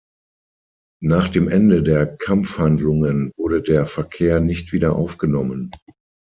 Nach dem Ende der Kampfhandlungen wurde der Verkehr nicht wieder aufgenommen.